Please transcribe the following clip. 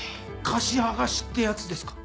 貸し剥がしってやつですか？